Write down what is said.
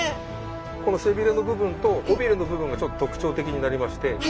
この背びれの部分と尾びれの部分がちょっと特徴的になりまして。